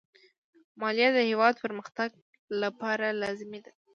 مالیه د هېواد پرمختګ لپاره لازمي ده.